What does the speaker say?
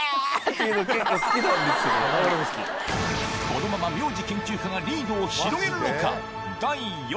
このまま名字研究家がリードを広げるのか？